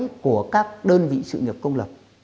và đổi mới tổ chức bộ máy của các đơn vị sự nghiệp công lập